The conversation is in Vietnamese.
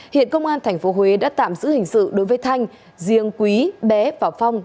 hiện công an tp huế đã tạm giữ hình sự đối với thanh riêng quý bé và phong